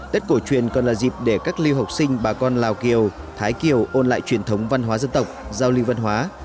tết cổ truyền còn là dịp để các lưu học sinh bà con lào kiều thái kiều ôn lại truyền thống văn hóa dân tộc giao lưu văn hóa